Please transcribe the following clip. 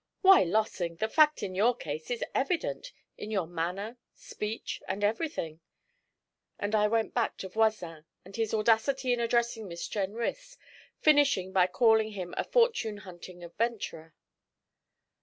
'Why, Lossing, the fact in your case is evident in your manner, speech, everything.' And I went back to Voisin, and his audacity in addressing Miss Jenrys, finishing by calling him a 'fortune hunting adventurer.'